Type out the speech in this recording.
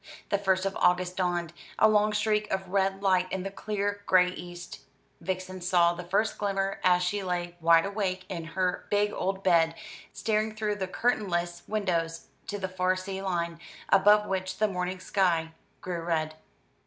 The first of August dawned, a long streak of red light in the clear gray east. Vixen saw the first glimmer as she lay wide awake in her big old bed, staring through the curtainless windows to the far sea line, above which the morning sky grew red.